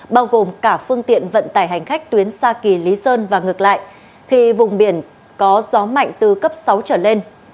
bao gồm cả phương tiện vận tải hành khách tuyến xa kỳ lý sơn và ngược lại thì vùng biển có gió mạnh từ cấp sáu trở lên